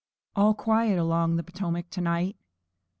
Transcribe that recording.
All quiet along the Potomac to night!